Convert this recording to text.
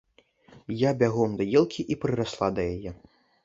Я бягом да ёлкі і прырасла да яе.